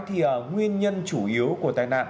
thì nguyên nhân chủ yếu của tai nạn